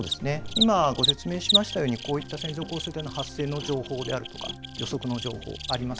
今、ご説明しましたようにこういった線状降水帯が発生の情報であるとか予測の情報があります。